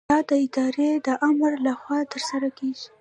دا د ادارې د آمر له خوا ترسره کیږي.